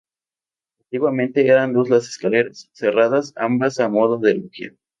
Antiguamente eran dos las escaleras, cerradas ambas a modo de logia.